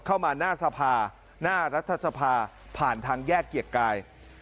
เข้ามาหน้าสภาหน้ารัฐสภาผ่านทางแยกเกียรติกาย